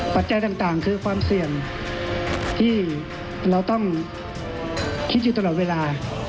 ปัจจัยต่างคือความเสี่ยงที่เราต้องคิดอยู่ตลอดเวลา